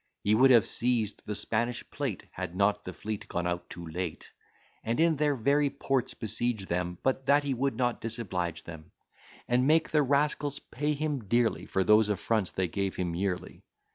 He would have seized the Spanish plate, Had not the fleet gone out too late; And in their very ports besiege them, But that he would not disoblige them; And make the rascals pay him dearly For those affronts they give him yearly.